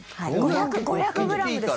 ５００ｇです。